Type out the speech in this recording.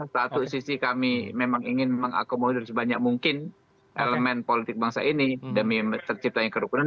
satu sisi kami memang ingin mengakomodir sebanyak mungkin elemen politik bangsa ini demi terciptanya kerukunan